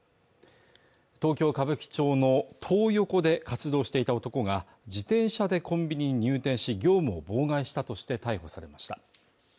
東京歌舞伎町のトー横で活動していた男が自転車でコンビニに入店し業務を妨害したとして逮捕されました